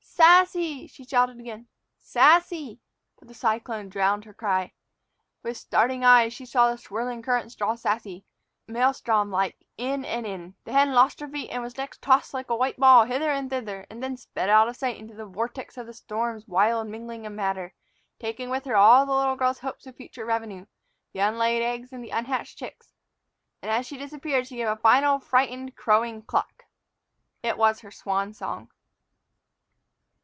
"Sassy!" she shouted again; "Sassy!" But the cyclone drowned her cry. With starting eyes she saw the swirling currents draw Sassy, maelstromlike, in and in. The hen lost her feet, was next tossed like a white ball hither and thither, and then sped out of sight into the vortex of the storm's wild mingling of matter, taking with her all the little girl's hopes of future revenue the unlaid eggs and the unhatched chicks. As she disappeared, she gave a final frightened, crowing cluck. It was her swan song.